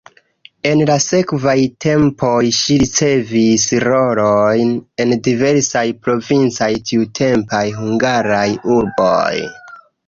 En la sekvaj tempoj ŝi ricevis rolojn en diversaj provincaj tiutempaj hungaraj urboj.